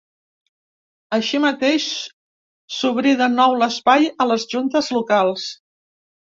Així mateix, s’obri de nou l’espai a les juntes locals.